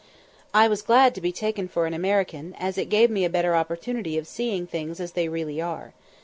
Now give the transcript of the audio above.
I was glad to be taken for an American, as it gave me a better opportunity of seeing things as they really are.